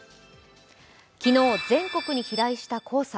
昨日、全国に飛来した黄砂。